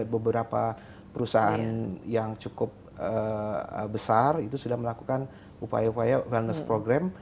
beberapa perusahaan yang cukup besar itu sudah melakukan upaya upaya valess program